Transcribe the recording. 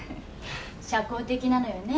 社交的なのよね。